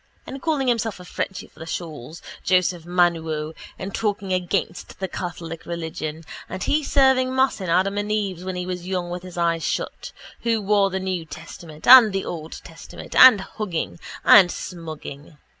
And calling himself a Frenchy for the shawls, Joseph Manuo, and talking against the Catholic religion, and he serving mass in Adam and Eve's when he was young with his eyes shut, who wrote the new testament, and the old testament, and hugging and smugging.